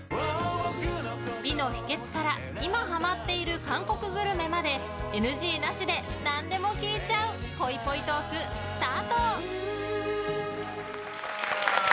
美の秘訣から今ハマっている韓国グルメまでＮＧなしで何でも聞いちゃうぽいぽいトーク、スタート！